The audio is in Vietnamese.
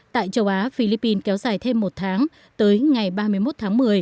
tại châu á philippines kéo dài thêm một tháng tới ngày ba mươi một tháng một mươi